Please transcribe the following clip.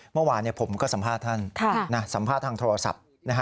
เมื่อวานผมก็สัมภาษณ์ทางโทรศัพท์